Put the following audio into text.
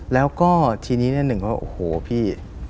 แล้วก็ทีนี้หนึ่งเขาว่าโอ้โฮพี่